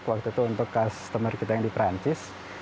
waktu itu untuk customer kita yang di perancis